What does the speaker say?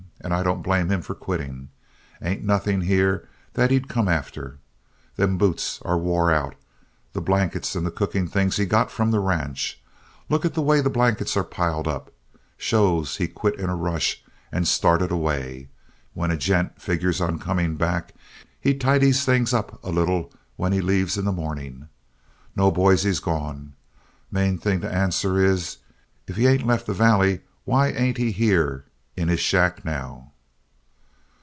And I don't blame him for quitting. Ain't nothing here that he'd come after. Them boots are wore out. The blankets and the cooking things he got from the ranch. Look at the way the blankets are piled up. Shows he quit in a rush and started away. When a gent figures on coming back, he tidies things up a little when he leaves in the morning. No, boys, he's gone. Main thing to answer is: If he ain't left the valley why ain't he here in his shack now?"